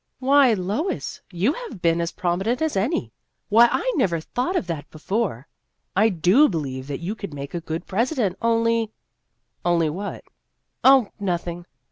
" Why, Lois, you have been as prominent as any ! Why, I never thought of that before. I do be lieve that you could make a good presi dent, only "" Only what ?"" Oh, nothing."